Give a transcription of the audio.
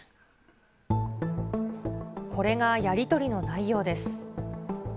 これがやり取りの内容です。